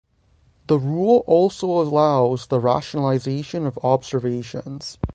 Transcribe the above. The rule also allows the rationalisation of observations.